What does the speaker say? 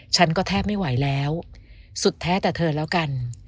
ฉันก็แทบไม่ไหวแล้วสุดแท้แต่เธอแล้วกัน